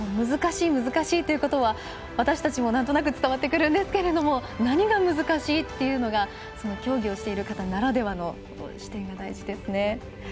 難しい、難しいというのは私たちもなんとなく伝わってくるんですが何が難しいというのが競技をしている方ならではの視点が大事ですね。